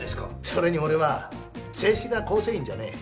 それに俺は正式な構成員じゃねえ。